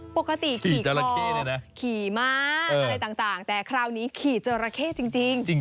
ปกติขี่มากอะไรต่างแต่คราวนี้ขี่จราเข้จริง